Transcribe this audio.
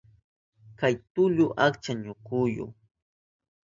Kay tullu achka ñuchkuyu.